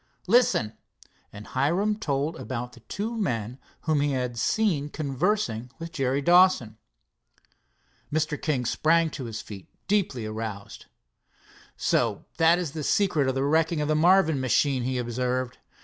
"Listen," and Hiram told about the two men whom he had seen conversing with Jerry Dawson. Mr. King sprang to his feet, deeply aroused. "So that is the secret of the wrecking of the Marvin machine," he observed.